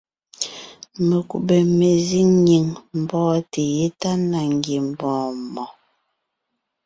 Mekúbè mezíŋ nyìŋ mbɔ́ɔnte yétana ngiembɔɔn mɔɔn.